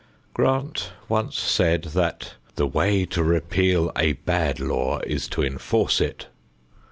Grant once said that, "The way to repeal a bad law is to enforce it."